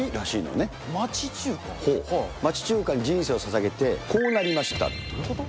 町中華に人生をささげてこうどういうこと？